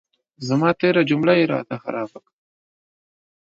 زما تېره جمله یې را ته خرابه کړه.